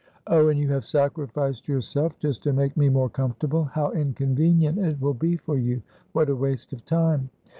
"Oh, and you have sacrificed yourself just to make me more comfortable! How inconvenient it will be for you! What a waste of time!"